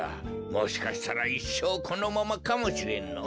もしかしたらいっしょうこのままかもしれんのぉ。